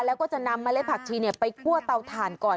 แล้วก็จะนำมะเลผักฉีไปกลัวเตาถ่านก่อน